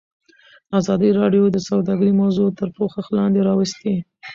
ازادي راډیو د سوداګري موضوع تر پوښښ لاندې راوستې.